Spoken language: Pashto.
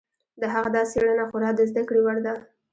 د هغه دا څېړنه خورا د زده کړې وړ ده.